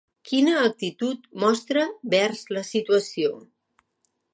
Quina actitud mostra vers la situació?